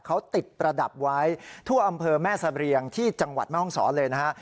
เขาติดประดับไว้ทั่วอำเภอแม่สะเรียงที่จังหวัดแม่ห้องศรเลยนะฮะ